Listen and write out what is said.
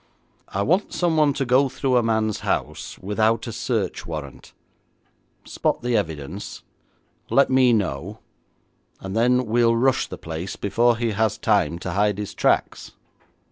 'I want someone to go through a man's house without a search warrant, spot the evidence, let me know, and then we'll rush the place before he has time to hide his tracks.'